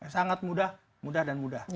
sangat mudah mudahan dan mudah